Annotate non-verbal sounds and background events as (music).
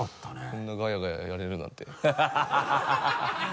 こんなガヤガヤやれるなんて。ハハハ (laughs)